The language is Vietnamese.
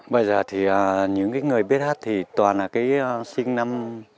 bây giờ thì những người biết hát thì toàn là cái sinh năm